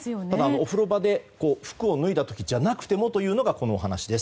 お風呂場で服を脱いだ時じゃなくてもというのがこのお話です。